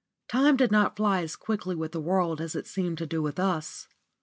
Time did not fly as quickly with the world as it seemed to do with us.